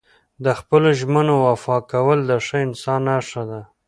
د خپلو ژمنو وفا کول د ښه انسان نښه ده.